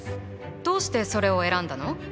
どうしてそれを選んだの？